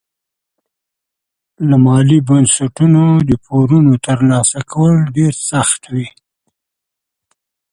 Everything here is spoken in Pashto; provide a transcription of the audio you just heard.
له مالي بنسټونو د پورونو ترلاسه کول ډېر سخت وي.